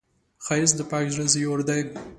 ښایست د پاک زړه زیور دی